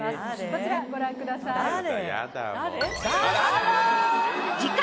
こちらご覧ください誰？